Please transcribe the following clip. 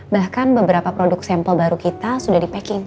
bahkan beberapa produk sampel baru kita sudah di packing